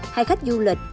hay khách du lịch